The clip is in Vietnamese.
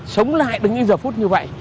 sống lại đến những giờ phút như vậy